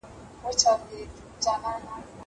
زه اوږده وخت کښېناستل کوم!!